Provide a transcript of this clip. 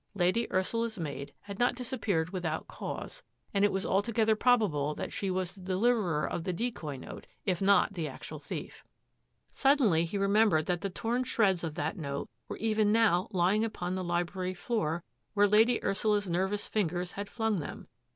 Lady Ursula's maid h^r« disappeared without cause, and it was altog probable that she was the deliverer of the c note, if not the actual thief. Suddenly he remembered that the torn si of that note were even now lying upon the lil floor where Lady Ursula's nervous fingers flung them.